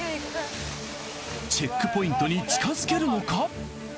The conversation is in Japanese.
チェックポイントに近づけるのか！？